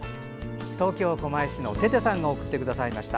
東京・狛江市のテテさんが送ってくださいました。